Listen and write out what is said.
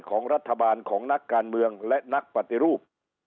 ของรัฐบาลของนักการเมืองและนักปฏิรูป